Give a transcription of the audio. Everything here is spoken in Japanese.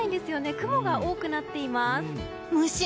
雲が多くなっています。